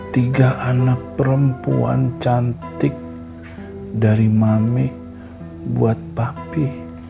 tiga anak perempuan cantik dari mami buat bakpi